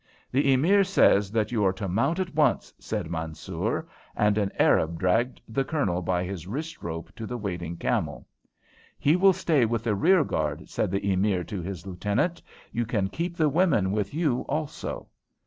"The Emir says that you are to mount at once," said Mansoor, and an Arab dragged the Colonel by his wrist rope to the waiting camel. "He will stay with the rearguard," said the Emir to his lieutenant. "You can keep the women with you also."